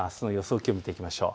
気温見ていきましょう。